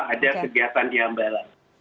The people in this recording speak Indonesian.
ada kegiatan di hambalang